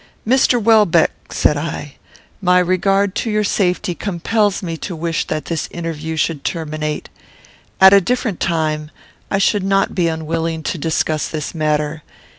"Mr. Welbeck," said I, "my regard to your safety compels me to wish that this interview should terminate. At a different time, I should not be unwilling to discuss this matter.